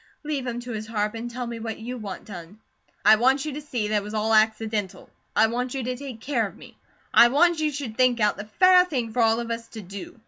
Leave him to his harp, and tell me what you want done." "I want you to see that it was all accidental. I want you to take care of me. I want you should think out the FAIR thing for all of us to DO.